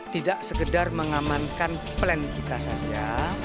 tidak sekedar mengamankan plan kita saja